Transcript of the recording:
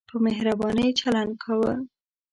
په مهربانۍ چلند کاوه.